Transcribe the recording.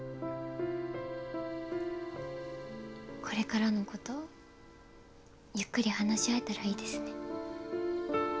これからのことゆっくり話し合えたらいいですね。